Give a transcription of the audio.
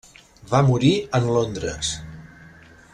Va morir en Londres.